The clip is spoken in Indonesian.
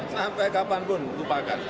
sampai kapanpun lupakan